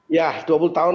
ya dua puluh tahun